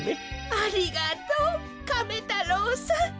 ありがとうカメ太郎さん！